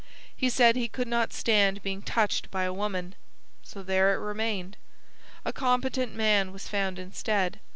He said he could not stand being touched by a woman; so there it remained. A competent man was found instead.